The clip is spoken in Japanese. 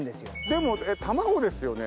でも卵ですよね？